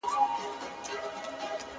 خپل حال له همسایه